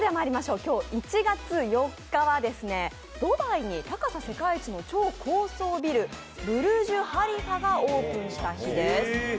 今日１月４日はドバイに高さ世界一の超高層ビル、ブルジュ・ハリファがオープンした日です。